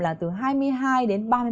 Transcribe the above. là từ ba ngày tới